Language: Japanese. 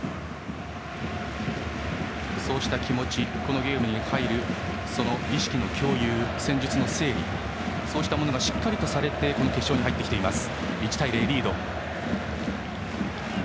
そうした気持ちこのゲームに入る意識の共有戦術の整備、そうしたものがしっかりとされてこの決勝に入ってきています。